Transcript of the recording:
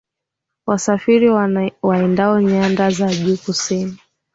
wasafiri wanaendao nyanda za juu kusini